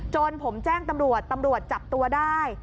จนผมแจ้งตำรวจตำรวจจับตัวได้